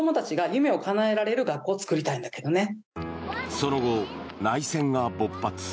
その後、内戦が勃発。